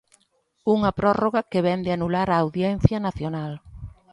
Unha prórroga que vén de anular a Audiencia Nacional.